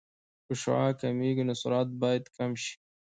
که شعاع کمېږي نو سرعت باید کم شي